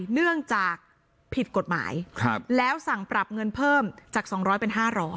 เนื่องจากผิดกฎหมายแล้วสั่งปรับเงินเพิ่มจาก๒๐๐เป็น๕๐๐